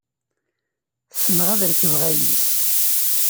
Ssneɣ ad rekbeɣ ayis.